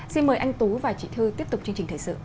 xin mời anh tú và chị thư tiếp tục chương trình thời sự